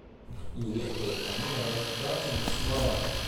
Il était un élève d'Anthonis Mor.